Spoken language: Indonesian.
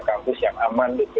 kampus yang aman itu